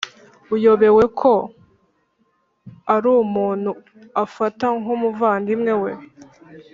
uyobewe ko arumuntu afata nkumuvandimwe we?"